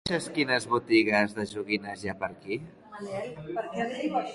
Coneixes quines botigues de joguines hi ha per aquí?